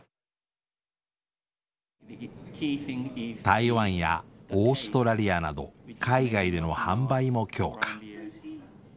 台湾やオーストラリアなど海外での販売も強化。